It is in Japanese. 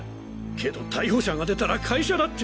けど逮捕者が出たら会社だって。